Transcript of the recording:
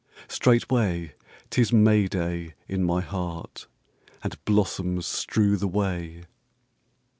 Straightway 't is May day in my heart, And blossoms strew the way.